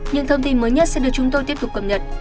những thông tin mới nhất sẽ được chúng tôi tiếp tục cập nhật